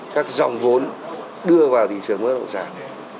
các dòng vốn đưa vào thị trường bất động sản